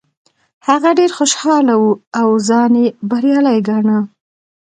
هغه ډیر خوشحاله و او ځان یې بریالی ګاڼه.